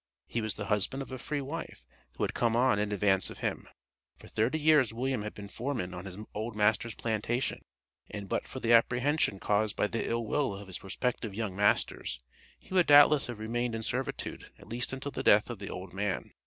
He was the husband of a free wife, who had come on in advance of him. For thirty years William had been foreman on his old master's plantation, and but for the apprehension caused by the ill will of his prospective young masters, he would doubtless have remained in servitude at least until the death of the old man.